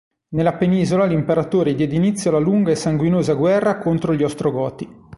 Nella penisola l'imperatore diede inizio alla lunga e sanguinosa guerra contro gli Ostrogoti.